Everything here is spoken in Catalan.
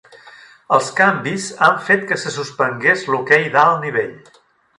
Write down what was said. Els canvis han fet que se suspengués l'hoquei d'alt nivell.